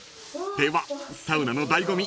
［ではサウナの醍醐味